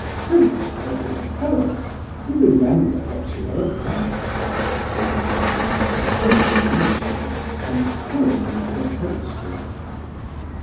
"Prince, my dear fellow, do remember what you are about," said the general, approaching Muishkin, and pulling him by the coat sleeve.